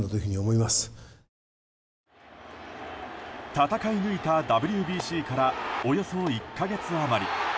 戦い抜いたＷＢＣからおよそ１か月余り。